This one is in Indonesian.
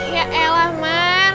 ya elah man